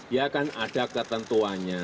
ya kan ada ketentuannya